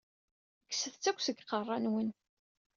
Kkset-t akk seg iqeṛṛa-nwen!